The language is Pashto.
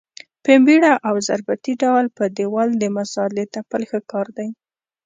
په بېړه او ضربتي ډول په دېوال د مسالې تپل ښه کار دی.